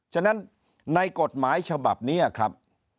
ฉะนั้นในกฎหมายฉบับนี้ครับ